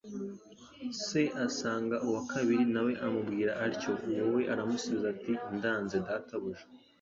Se asanga uwa kabiri nawe amubwira atyo: uwo we aramusubiza, ati : ndanze Databuja;